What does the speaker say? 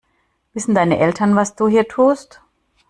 Wissen deine Eltern, was du hier tust?